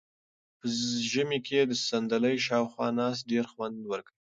په ژمي کې د صندلۍ شاوخوا ناسته ډېر خوند ورکوي.